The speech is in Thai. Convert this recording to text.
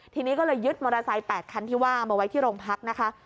ทีนี้ก็เลยยึดมอเตอร์ไซค์๘คันที่ว่ามาไว้ที่โรงพักนะคะ